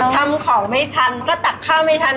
ทำของไม่ทันก็ตักข้าวไม่ทัน